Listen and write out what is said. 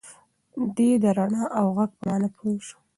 دی د رڼا او غږ په مانا پوه شو.